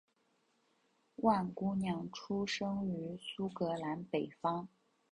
万姑娘出生于苏格兰北方。